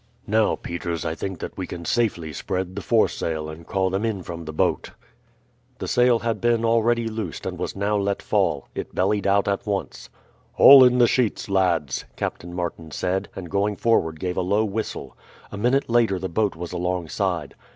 "Now, Peters, I think that we can safely spread the foresail and call them in from the boat." The sail had been already loosed and was now let fall; it bellied out at once. "Haul in the sheets, lads," Captain Martin said, and going forward gave a low whistle. A minute later the boat was alongside.